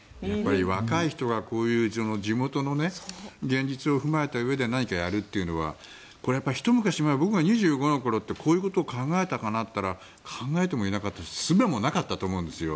若い人がこういう地元の現実を踏まえたうえで何かやるというのはこれは、ひと昔前僕が２５歳の頃ってこういうことを考えたかなって考えてもいなかったですしすべもなかったと思うんです。